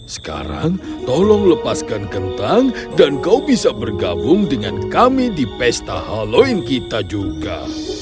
sekarang tolong lepaskan kentang dan kau bisa bergabung dengan kami di pesta halloween kita juga